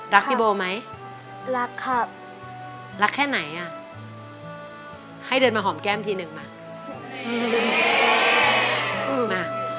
พี่โบไหมรักครับรักแค่ไหนอ่ะให้เดินมาหอมแก้มทีหนึ่งมา